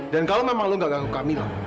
dan kalau memang lo nggak ganggu kak mila